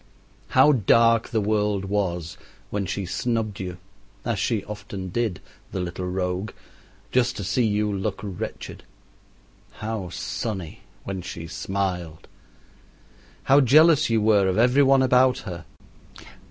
How dark the world was when she snubbed you, as she often did, the little rogue, just to see you look wretched; how sunny when she smiled! How jealous you were of every one about her!